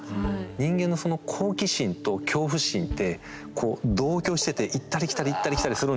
人間のその好奇心と恐怖心ってこう同居してて行ったり来たり行ったり来たりするんですよね。